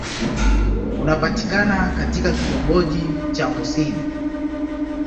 Unapatikana katika kitongoji cha Mouassine.